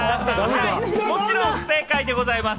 もちろん不正解でございます。